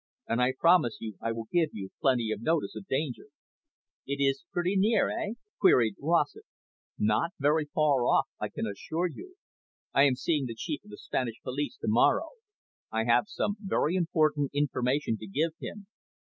"And I promise you I will give you plenty of notice of danger." "It is pretty near, eh?" queried Rossett. "Not very far off, I can assure you. I am seeing the Chief of the Spanish police to morrow. I have some very important information to give him."